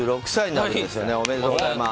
ありがとうございます。